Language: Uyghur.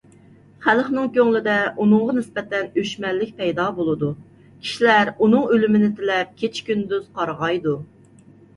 خەلقنىڭ كۆڭلىدە ئۇنىڭغا نىسبەتەن ئۆچمەنلىك پەيدا بولىدۇ. كىشىلەر ئۇنىڭ ئۆلۈمىنى تىلەپ كېچە - كۈندۈز قارغايدۇ.